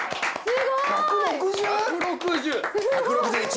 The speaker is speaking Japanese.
すごい。